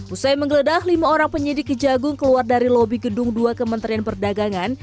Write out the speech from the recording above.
usai menggeledah lima orang penyidik kejagung keluar dari lobi gedung dua kementerian perdagangan